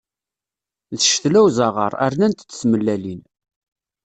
D ccetla n uẓaɣaṛ, rnant-d tmellalin.